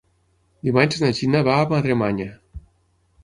Dimarts na Gina va a Madremanya.